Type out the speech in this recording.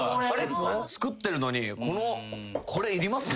つくってるのにこのこれいります？